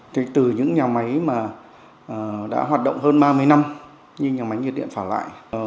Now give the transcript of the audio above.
thì từ những nhà máy mà đã hoạt động hơn ba mươi năm như nhà máy nhiệt điện phả lại